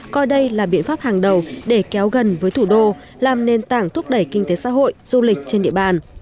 coi đây là biện pháp hàng đầu để kéo gần với thủ đô làm nền tảng thúc đẩy kinh tế xã hội du lịch trên địa bàn